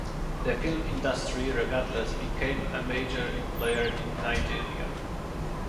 The film industry regardless became a major employer in Nigeria.